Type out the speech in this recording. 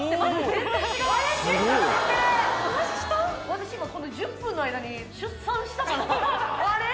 私今この１０分の間に出産したかなあれ？